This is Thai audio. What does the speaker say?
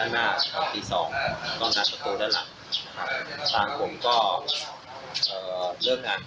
แล้วก็เริ่มงานเป็นนึง